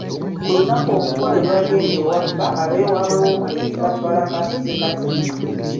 Ku lunaku omugole lw’agenda ewa bba; ab’ewaabwe w’omulenzi batwala kaasuzekatya.